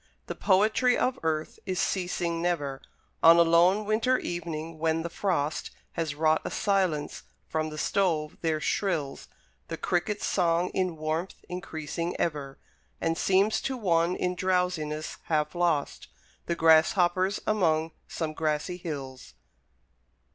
The poetry of earth is ceasing never: On a lone winter evening, when the frost Has wrought a silence, from the stove there shrills The Cricket's song, in warmth increasing ever, And seems to one in drowsiness half lost, The Grasshopper's among some grassy hills.